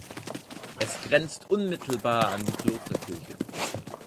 Es grenzt unmittelbar an die Klosterkirche.